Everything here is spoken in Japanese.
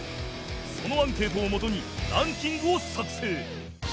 そのアンケートをもとにランキングを作成